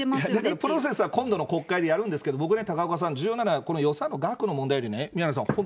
プロセスは今度の国会でやるんですけど、僕ね、高岡さん、この予算の額の問題よりも、宮根さん、本当